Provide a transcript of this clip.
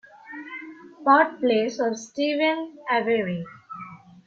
Birthplace of Steven Avery.